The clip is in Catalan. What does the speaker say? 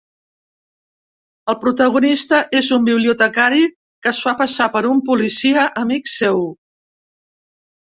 El protagonista és un bibliotecari que es fa passar per un policia amic seu.